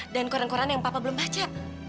dan koran koran yang papa belum baca